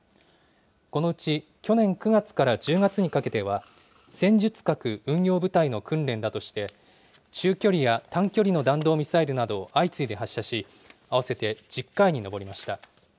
このうち去年９月から１０月にかけては、戦術核運用部隊の訓練だとして、中距離や短距離の弾道ミサイルなどを相次いで発射し、合わせて１０回に上りました。